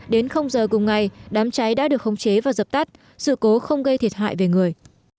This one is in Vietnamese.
đến giờ cùng ngày đám cháy đã được khống chế và dập tắt sự cố không gây thiệt hại về người